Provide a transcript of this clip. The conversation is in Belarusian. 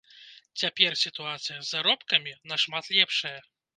Цяпер сітуацыя з заробкамі нашмат лепшая.